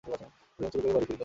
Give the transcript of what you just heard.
মতি যেন চুরি করিয়া বাড়ি ফিরিল।